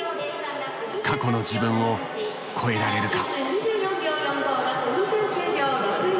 過去の自分を超えられるか。